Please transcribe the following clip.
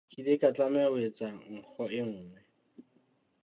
Ke ile ka tlameha ho etsa nkgo e nngwe.